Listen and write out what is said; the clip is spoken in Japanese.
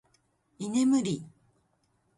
居眠り